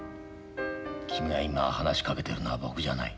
君が今話しかけてるのは僕じゃない。